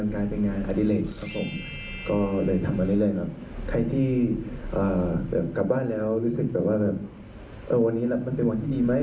ใครที่กลับบ้านแล้วรู้สึกว่าวันนี้มันเป็นวันที่ดีมั้ย